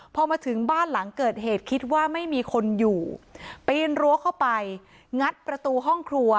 พอมาถึงบ้านหลังเกิดเหตุคิดว่าไม่มีคนอยู่ปีนรั้วเข้าไปงัดประตูห้องครัว